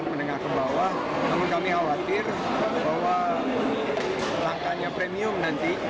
menengah ke bawah namun kami khawatir bahwa langkahnya premium nanti